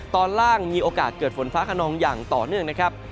ตอนล่างมีโอกาสเกิดฝนฟ้าขนองอย่างต่อเนื่องนะครับ